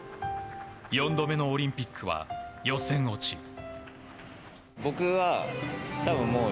４度目のオリンピックは予選落ち。